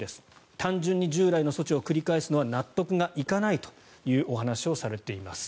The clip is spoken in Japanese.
単純に従来の措置を繰り返すのは納得がいかないというお話をされています。